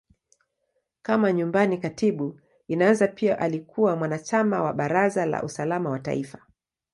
Kama Nyumbani Katibu, Inaweza pia alikuwa mwanachama wa Baraza la Usalama wa Taifa.